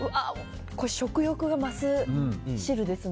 食欲が増す汁ですね。